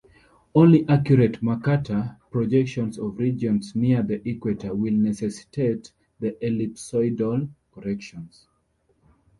Only accurate Mercator projections of regions near the equator will necessitate the ellipsoidal corrections.